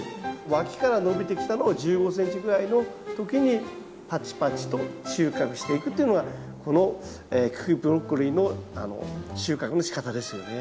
わきから伸びてきたのを１５ｃｍぐらいの時にパチパチと収穫していくっていうのがこの茎ブロッコリーの収穫のしかたですよね。